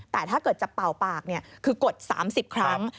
แต่ถ้าเกิดจะเป่าปากคือกด๓๐ครั้ง